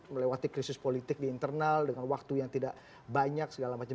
melewati krisis politik di internal dengan waktu yang tidak banyak segala macam